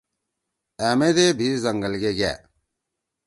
أمیدے بھی زنگل گے گأ۔